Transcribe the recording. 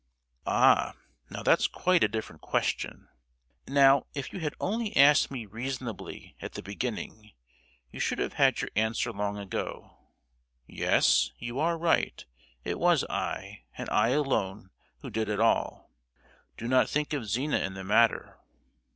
"Ah, now that's quite a different question. Now, if you had only asked me reasonably at the beginning, you should have had your answer long ago! Yes, you are right. It was I, and I alone, who did it all. Do not think of Zina in the matter.